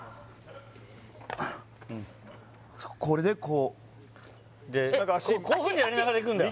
これでこうこういうふうにやりながら行くんだよ